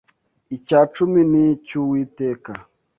Icyacumi ni icy’Uwiteka